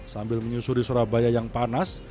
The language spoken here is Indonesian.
sambil menyusuri surabaya yang panas